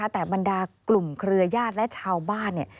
แต่บรรดากลุ่มเครือญาติและชาวบ้านเนี่ย